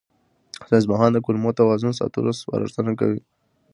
ساینسپوهان د کولمو توازن ساتلو سپارښتنه کوي.